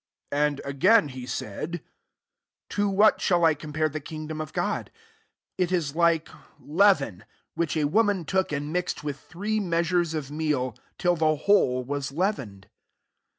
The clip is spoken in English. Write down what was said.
20 [ /ind] again he said, " To what shall I compare the king dom of God ? 21 It is like lea ven, which a woman took and mixed with three measures of meal, till the whole was lea vened."